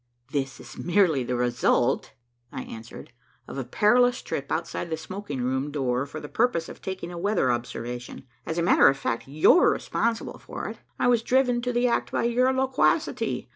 "This is merely the result," I answered, "of a perilous trip outside the smoking room door for the purpose of taking a weather observation. As a matter of fact, you're responsible for it; I was driven to the act by your loquacity.